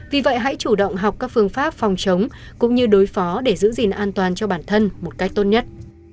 vì vậy hãy chủ động học các phương pháp phòng chống cũng như đối phó để giữ gìn an toàn cho bản thân một cách tốt nhất